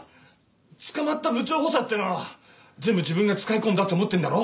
捕まった部長補佐ってのは全部自分が使い込んだって思ってんだろ？